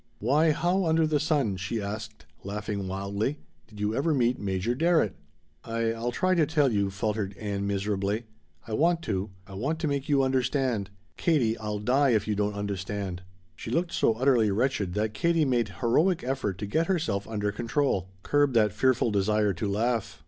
Why how under the sun," she asked, laughing wildly, "did you ever meet Major Darrett?" "I I'll try to tell you," faltered Ann miserably. "I want to. I want to make you understand. Katie! I'll die if you don't understand!" She looked so utterly wretched that Katie made heroic effort to get herself under control curb that fearful desire to laugh.